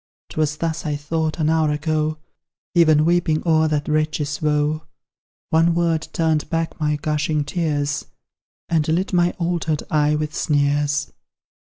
'Twas thus I thought, an hour ago, Even weeping o'er that wretch's woe; One word turned back my gushing tears, And lit my altered eye with sneers.